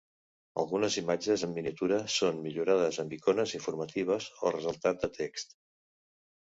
Algunes imatges en miniatura són millorades amb icones informatives o ressaltat de text.